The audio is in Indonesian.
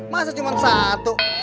masa cuma satu